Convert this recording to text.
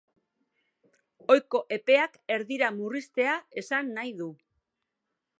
Ohiko epeak erdira murriztea esan nahi du.